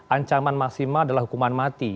ancaman maksimal adalah hukuman mati